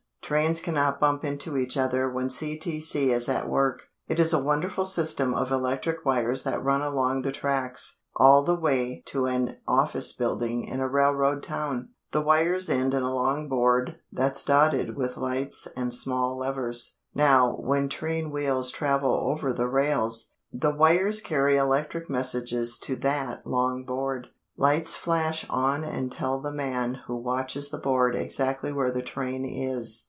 Trains cannot bump into each other when CTC is at work. It is a wonderful system of electric wires that run along the tracks, all the way to an office building in a railroad town. The wires end in a long board that's dotted with lights and small levers. Now when train wheels travel over the rails, the wires carry electric messages to that long board. Lights flash on and tell the man who watches the board exactly where the train is.